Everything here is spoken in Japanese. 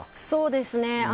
そうですね。